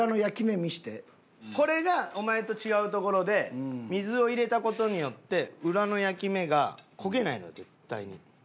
これがお前と違うところで水を入れた事によって裏の焼き目が焦げないのよ絶対に。